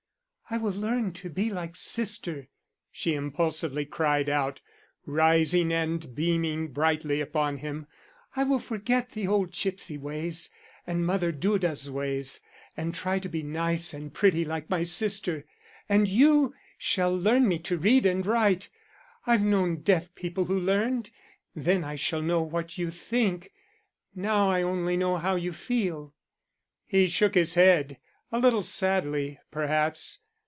"I will learn to be like sister," she impulsively cried out, rising and beaming brightly upon him. "I will forget the old gipsy ways and Mother Duda's ways, and try to be nice and pretty like my sister. And you shall learn me to read and write. I've known deaf people who learned. Then I shall know what you think; now I only know how you feel." He shook his head, a little sadly, perhaps.